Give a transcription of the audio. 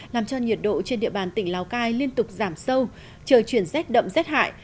làm cho nhiệt độ trên địa bàn tỉnh lào cai liên tục giảm sâu trời chuyển rét đậm rét hại